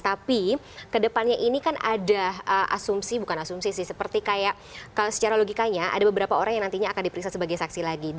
tapi kedepannya ini kan ada asumsi bukan asumsi sih seperti kayak kalau secara logikanya ada beberapa orang yang nantinya akan diperiksa sebagai saksi lagi